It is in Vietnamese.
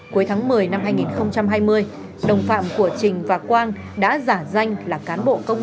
cuối tháng một mươi năm hai nghìn hai mươi đồng phạm của trình và quang đã giả danh là cán bộ công